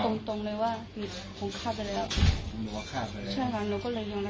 ถ้าตรงเลยว่านี่ผมข้าไปแล้วใช่หรือลูกก็เลยยอมรับไม่ได้